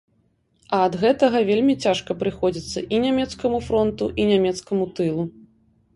А ад гэтага вельмі цяжка прыходзіцца і нямецкаму фронту і нямецкаму тылу.